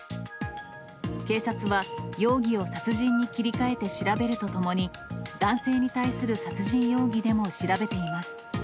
警察は、容疑を殺人に切り替えて調べるとともに、男性に対する殺人容疑でも調べています。